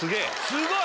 すごい！